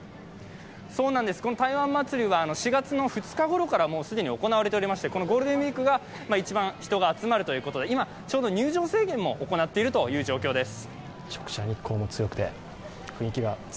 台湾祭は４月２日ごろから既に行われておりまして、このゴールデンウイークが一番、人が集まるということで今、入場制限も行っているということです。